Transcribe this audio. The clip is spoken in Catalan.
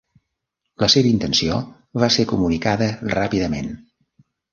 La seva intenció va ser comunicada ràpidament.